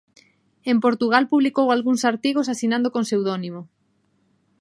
En Portugal publicou algúns artigos asinando con pseudónimo.